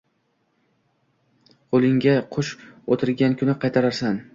Qo‘lingga qush o‘tirgan kuni qaytararsan